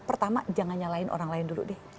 pertama jangan nyalain orang lain dulu deh